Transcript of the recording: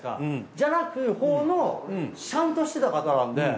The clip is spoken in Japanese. じゃなくほうのシャンとしてた方なんで。